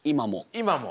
今も？